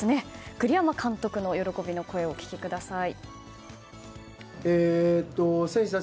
栗山監督の喜びの声をお聞きください。